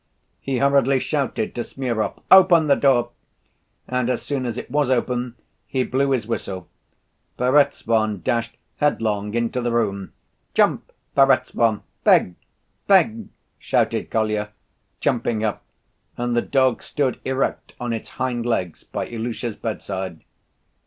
He hurriedly shouted to Smurov, "Open the door," and as soon as it was open, he blew his whistle. Perezvon dashed headlong into the room. "Jump, Perezvon, beg! Beg!" shouted Kolya, jumping up, and the dog stood erect on its hind‐legs by Ilusha's bedside.